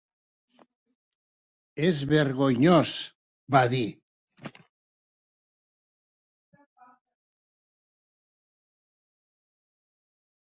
"És vergonyós", va dir.